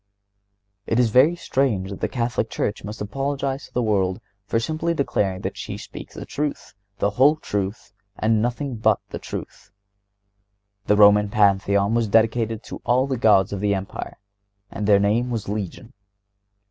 It is very strange that the Catholic Church must apologize to the world for simply declaring that she speaks the truth, the whole truth, and nothing but the truth. The Roman Pantheon was dedicated to all the gods of the Empire, and their name was legion.